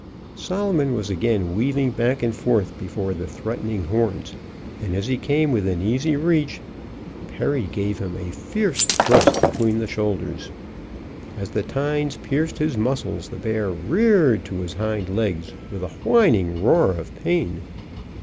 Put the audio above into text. Solomon was again weaving back and forth before the threatening horns, and as he came within easy reach, Perry gave him a fierce thrust between the shoulders. As the tines pierced his muscles, the bear reared to his hind legs with a whining roar of pain.